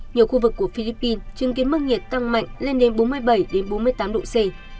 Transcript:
nhiều khu vực của philippines chứng kiến mức nhiệt tăng mạnh lên đến bốn mươi bảy bốn mươi tám độ c